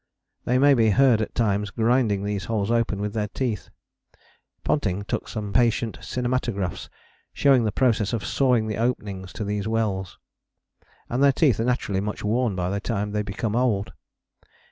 They may be heard at times grinding these holes open with their teeth (Ponting took some patient cinematographs showing the process of sawing the openings to these wells) and their teeth are naturally much worn by the time they become old.